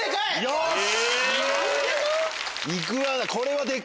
よし！